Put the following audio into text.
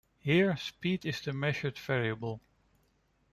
Here speed is the measured variable.